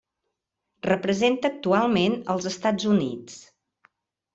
Representa actualment els Estats Units.